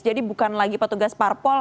jadi bukan lagi petugas parpol